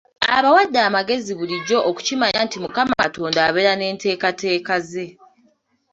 Abawadde amagezi bulijjo okukimanya nti mukama Katonda abeera n’enteekateeka ze.